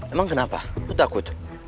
emang kenapa lo takut